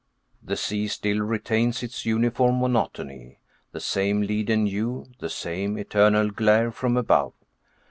The sea still retains its uniform monotony. The same leaden hue, the same eternal glare from above.